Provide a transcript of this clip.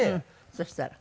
そしたら？